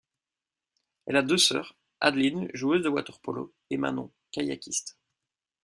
Elle a deux sœurs, Adeline, joueuse de water-polo, et Manon, kayakiste.